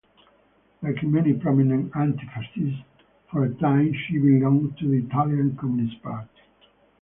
Like many prominent anti-Fascists, for a time she belonged to the Italian Communist Party.